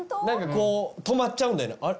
何かこう止まっちゃうんだよね。